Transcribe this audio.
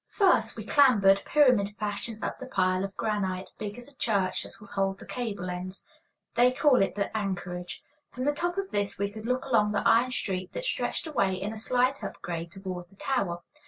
First we clambered, pyramid fashion, up the pile of granite, big as a church, that will hold the cable ends; they call it the anchorage. From the top of this we could look along the iron street that stretched away in a slight up grade toward the tower.